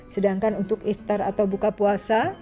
sedangkan untuk iftar atau buka puasa